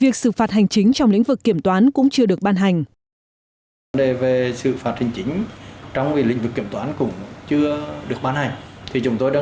chính trong lĩnh vực kiểm toán cũng chưa được ban hành